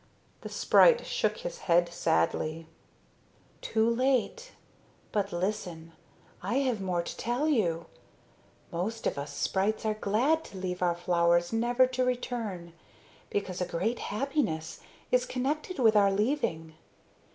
The, sprite shook his head sadly. "Too late. But listen. I have more to tell you. Most of us sprites are glad to leave our flowers never to return, because a great happiness is connected with our leaving.